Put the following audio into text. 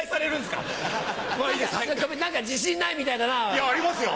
いやありますよ！